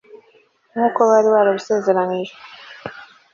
nk'uko bari barabisezeranyijwe